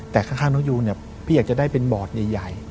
แต่ข้างน้องยูนพี่อยากจะได้เป็นบอร์ดใหญ่